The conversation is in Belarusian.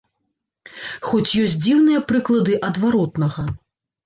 Хоць ёсць дзіўныя прыклады адваротнага.